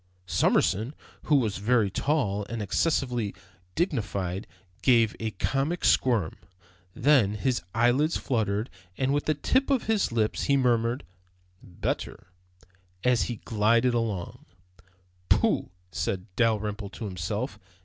Summerson, who was very tall and excessively dignified, gave a comic squirm. Then his eyelids fluttered and with the tips of his lips he murmured, "Better," as he glided along. "Pooh," said Dalrymple to himself.